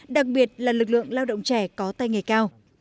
đặc biệt là lực lượng lao động trẻ có tay nghề cao